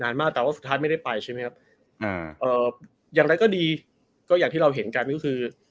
มากแต่ว่าสุดท้ายไม่ได้ไปใช่ไหมครับอ่าเอ่ออย่างไรก็ดีก็อย่างที่เราเห็นกันก็คือ